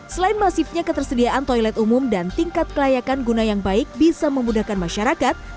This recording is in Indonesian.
selain masifnya ketersediaan toilet umum dan tingkat kelayakan guna yang baik bisa memudahkan masyarakat